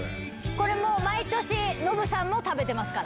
これ毎年ノブさんも食べてますから。